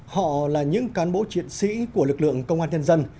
họ là những cán bộ chiến sĩ của lực lượng công an nhân dân